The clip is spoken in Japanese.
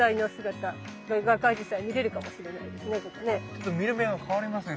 ちょっと見る目が変わりますね。